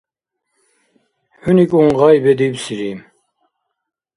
Хӏуникӏун гъай бедибсири...